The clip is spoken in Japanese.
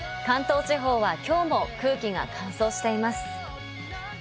関東地方は今日も空気が乾燥しています。